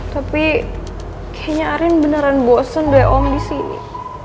tapi kayaknya arin beneran bosen deh om disini